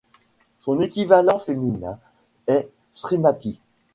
Son équivalent féminin est Shrimati.